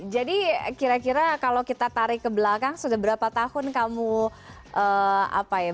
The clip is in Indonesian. jadi kira kira kalau kita tarik ke belakang sudah berapa tahun kamu berkecimpung